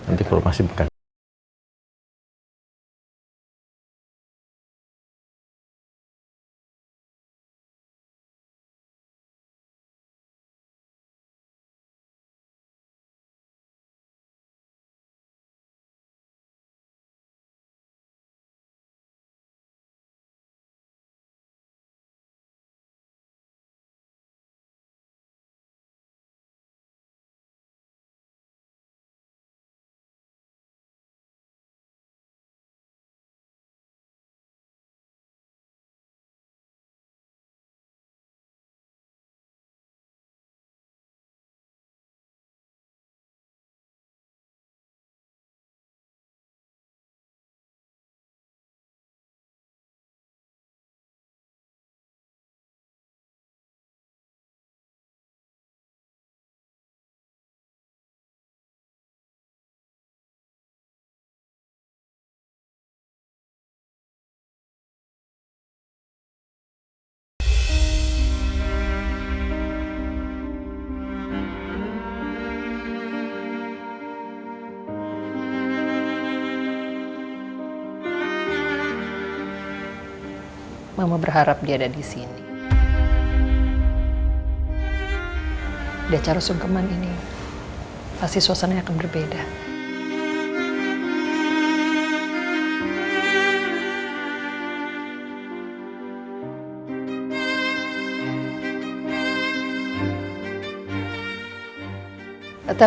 nanti aku masih bekerja